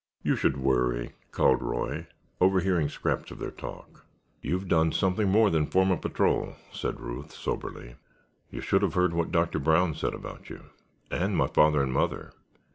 "You should worry," called Roy, overhearing scraps of their talk. "You've done something more than form a patrol," Ruth said, soberly. "You should have heard what Dr. Brown said about you—and my father and mother.